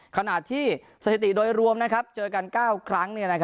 ขณะที่สถิติโดยรวมเจอกัน๙ครั้ง